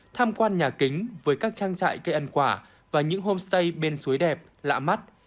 tham quan nhà kính với các trang trại cây ăn quả và những homestay bên suối đẹp lạ mắt